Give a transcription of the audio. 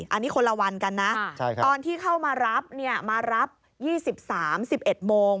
อันนี้คนละวันกันนะตอนที่เข้ามารับมารับ๒๓๑๑โมง